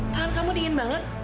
tangan kamu dingin banget